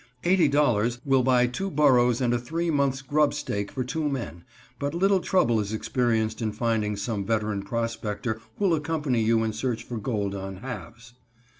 Eighty dollars will buy two burros and a three months' grub stake for two men, and but little trouble is experienced in finding some veteran prospector who'll accompany you in search for gold on halves.